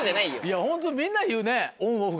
いやホントみんな言うね。